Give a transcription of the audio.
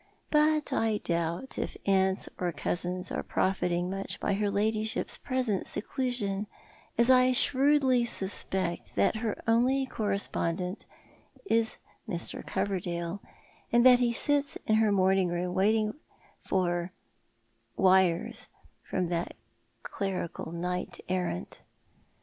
But I doiibt if aunts or cousins are profiting much by her ladyship's present seclusion, as I shrewdly suspect that her only corre spondent is Mr. Covcrdale, and that she sits in her morning room waiting for " wires" from that clerical knight errant.